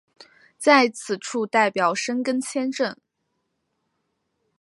在此处代表申根签证。